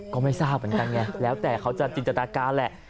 ก็ไม่ทราบเหมือนกันไงแล้วแต่เขาจะจินตนาการแหละ